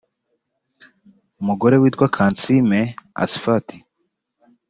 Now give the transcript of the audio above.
umugore witwa Kansime Assifati